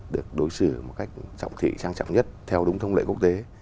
được đối xử một cách trọng thị trang trọng nhất theo đúng thông lệ quốc tế